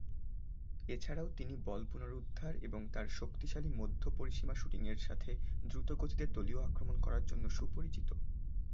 এছাড়াও তিনি বল পুনরুদ্ধার এবং তার শক্তিশালী মধ্য-পরিসীমা শুটিংয়ের সাথে দ্রুতগতিতে দলীয় আক্রমণ করার জন্য সুপরিচিত।